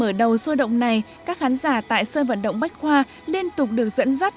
sau màn mở đầu sôi động này các khán giả tại sơn vận động bách khoa liên tục được dẫn dắt